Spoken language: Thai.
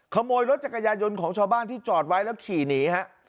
ขโมยรถจักรยายนต์ของชาวบ้านที่จอดไว้แล้วขี่หนีฮะ